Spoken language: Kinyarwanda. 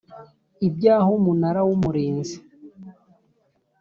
Ibyah Umunara w Umurinzi